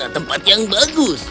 tempat yang bagus